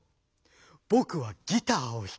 ぼくはギターをひく。